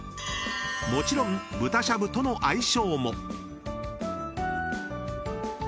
［もちろん豚しゃぶとの相性も］